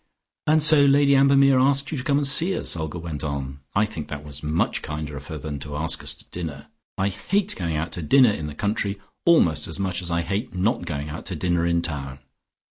"And so Lady Ambermere asked you to come and see us?" Olga went on. "I think that was much kinder of her than to ask us to dinner. I hate going out to dinner in the country almost as much as I hate not going out to dinner in town.